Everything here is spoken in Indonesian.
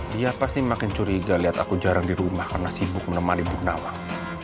dia pasti makin curiga liat aku jarang di rumah karena sibuk menemani bu nawang